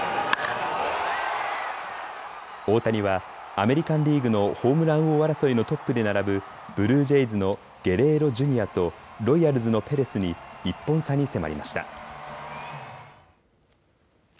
大谷はアメリカンリーグのホームラン王争いのトップで並ぶブルージェイズのゲレーロＪｒ．とロイヤルズのペレスに１本差に迫りました。